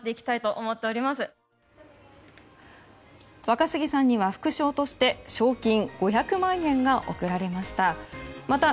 若杉さんには副賞として賞金５００万円が贈られました。